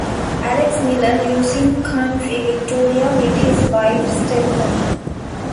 Alex Miller lives in country Victoria with his wife Stephanie.